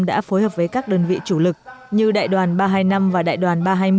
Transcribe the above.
đã phối hợp với các đơn vị chủ lực như đại đoàn ba trăm hai mươi năm và đại đoàn ba trăm hai mươi